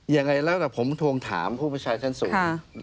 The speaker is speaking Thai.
ยังไงแล้วธามผู้บอชายแท่นสูง